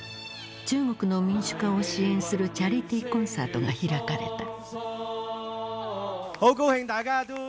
中国の民主化を支援するチャリティーコンサートが開かれた。